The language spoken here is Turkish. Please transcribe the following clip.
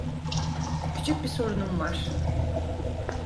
Küçük bir sorunum var.